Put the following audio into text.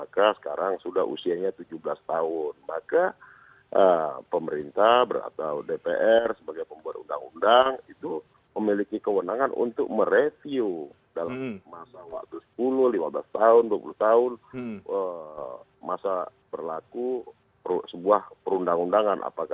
kalau memang tujuan untuk menguatkan kpk